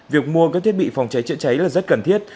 việc mua các thiết bị phòng cháy chữa cháy là rất cần thiết